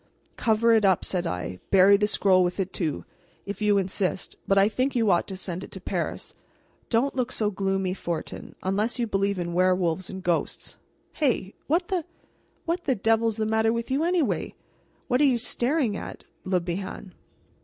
"Cover it up," said I; "bury the scroll with it too, if you insist, but I think you ought to send it to Paris. Don't look so gloomy, Fortin, unless you believe in werewolves and ghosts. Hey! what the what the devil's the matter with you, anyway? What are you staring at, Le Bihan?"